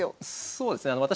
そうですね